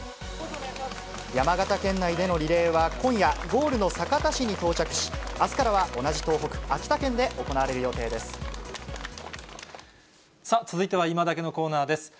山形県内でのリレーは、今夜、ゴールの酒田市に到着し、あすからは同じ東北、秋田県で行われるさあ、続いてはいまダケッのコーナーです。